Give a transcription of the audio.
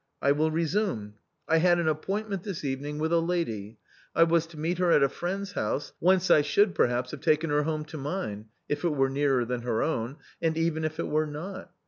I will resume ; I had an appointment MIMI IN" FINE FEATHER. 287 this evening with a lady; I was to meet her at a friend's house, whence I should, perhaps, have taken her home to mine, if it were nearer than her own, and even if it were not.